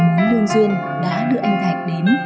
muốn lương duyên đã đưa anh thạch đến